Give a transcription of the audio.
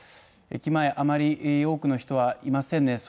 駅前あまり多くの人はいませんね